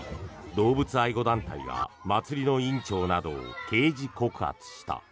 動物愛護団体が祭りの委員長などを刑事告発した。